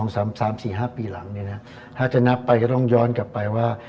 สมัย๓๕ปีหลังถ้านับไปก็ต้องย้อนกลับไปว่า